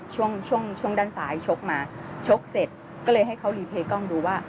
ช่วงช่วงด้านซ้ายชกมาชกเสร็จก็เลยให้เขารีเพย์กล้องดูว่า